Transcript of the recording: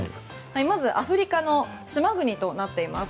まずアフリカの島国となっています。